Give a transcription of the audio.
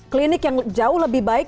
klinik yang jauh lebih baik